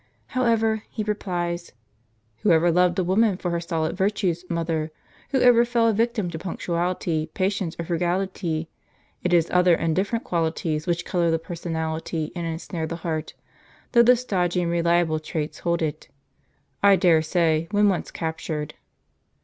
However, he replies: "Who ever loved a woman for her solid virtues, mother? Who ever fell a victim to punctuality, patience, or frugality? It is other and different qualities which colour the personality and ensnare the heart; though the stodgy and reliable traits hold it, I dare say, when once captured.